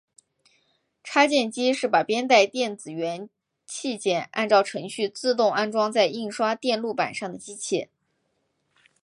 插件机是把编带电子元器件按照程序自动安装在印刷电路板上的机器。